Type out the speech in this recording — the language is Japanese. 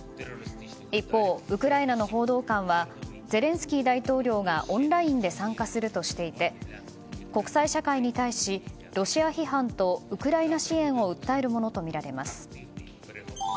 一方、ウクライナの報道官はゼレンスキー大統領がオンラインで参加するとしていて国際社会に対しロシア批判とウクライナ支援を訴えるものとみられます。